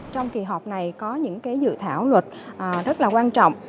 trong kỳ họp này có những dự thảo luật rất là quan trọng